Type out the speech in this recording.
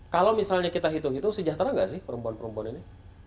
kalau misalnya kita hitung hitung sejahtera nggak sih perempuan perempuan ini